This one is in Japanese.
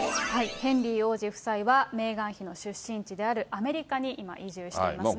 ヘンリー王子夫妻は、メーガン妃の出身地であるアメリカに今、移住していますね。